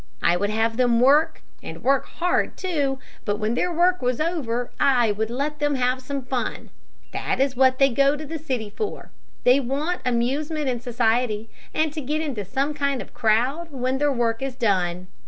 I would have them work, and work hard, too, but when their work was over, I would let them have some fun. That is what they go to the city for. They want amusement and society, and to get into some kind of a crowd when their work is done.